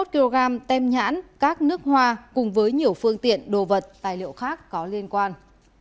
hai mươi kg tem nhãn các nước hoa cùng với nhiều phương tiện đồ vật tài liệu khác có liên quan